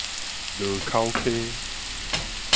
濁口溪